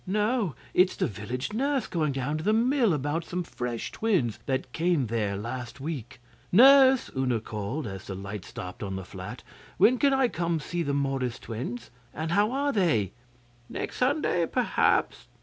'No. It's the village nurse going down to the Mill about some fresh twins that came there last week. Nurse,' Una called, as the light stopped on the flat, 'when can I see the Morris twins? And how are they?' 'Next Sunday, perhaps.